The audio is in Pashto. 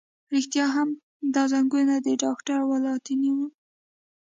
رښتیا هم، دا زنګون د ډاکټر ولانتیني و.